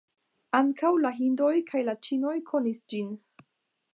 Ankaŭ la hindoj kaj la ĉinoj konis ĝin.